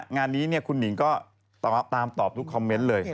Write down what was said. งานนี้คุณหนิงก็ตามตอบทุกคอมเมนต์เลย